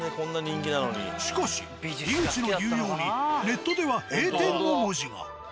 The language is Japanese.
しかし井口の言うようにネットでは「閉店」の文字が。